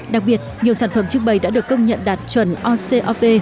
đặc biệt nhiều sản phẩm trưng bày đã được công nhận đạt chuẩn ocop